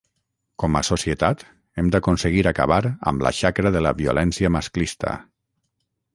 Com a societat hem d’aconseguir acabar amb la xacra de la violència masclista.